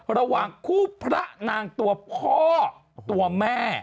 ระหว่างคู่พระนางตัวพ่อตัวแม่